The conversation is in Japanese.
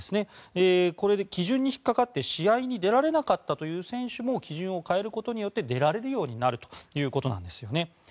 これで基準に引っかかって試合に出られなかったという選手も基準を変えることで出られるようになるということなんですよね。